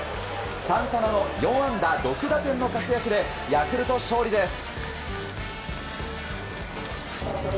サンタナは４安打６打点の活躍でヤクルト勝利です。